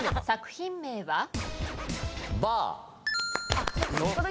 作品名は？